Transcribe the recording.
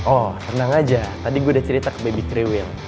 oh tenang aja tadi gue udah cerita ke baby kriwil